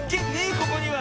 ここには。